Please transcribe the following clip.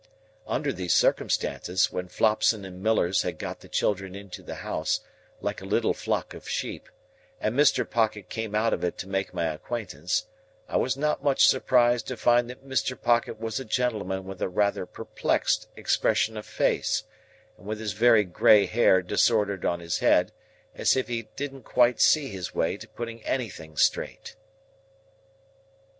Under these circumstances, when Flopson and Millers had got the children into the house, like a little flock of sheep, and Mr. Pocket came out of it to make my acquaintance, I was not much surprised to find that Mr. Pocket was a gentleman with a rather perplexed expression of face, and with his very grey hair disordered on his head, as if he didn't quite see his way to putting anything straight.